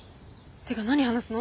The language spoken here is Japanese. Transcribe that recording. てか何話すの？